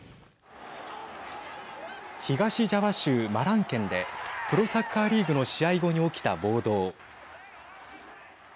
東ジャワ州マラン県でプロサッカーリーグの試合後に起きた暴動。